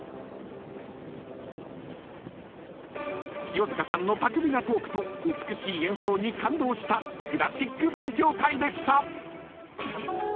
［清塚さんの巧みなトークと美しい演奏に感動したクラシック勉強会でした］